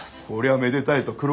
こりゃめでたいぞ。